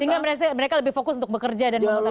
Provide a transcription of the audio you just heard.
sehingga mereka lebih fokus untuk bekerja dan memotong ekonomi